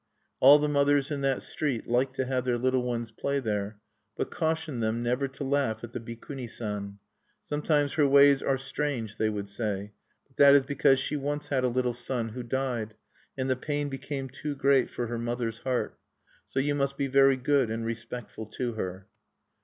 All the mothers in that street liked to have their little ones play there, but cautioned them never to laugh at the Bikuni San. "Sometimes her ways are strange," they would say; "but that is because she once had a little son, who died, and the pain became too great for her mother's heart. So you must be very good and respectful to her."